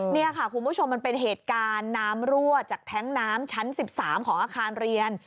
นี่ค่ะคุณผู้ชมมันเป็นเหตุการณ์น้ำรั่วจากแท้งน้ำชั้น๑๓ของอาคารเรียน